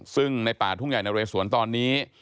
ซึ่งในป่าทุ่งใหญ่นะเรสวนตอนนี้